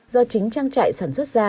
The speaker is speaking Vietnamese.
do chính trang trại sản xuất ra